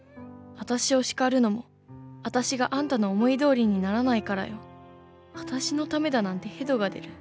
あたしを叱るのもあたしがあんたの思い通りにならないからよ。あたしのためだなんて反吐が出る。